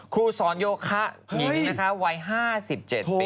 ครูสอนโยคะหญิงนะคะวัย๕๗ปี